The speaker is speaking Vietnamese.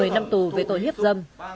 một mươi năm tù về tội hiếp dâm